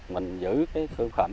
mình giữ cái trái thương phẩm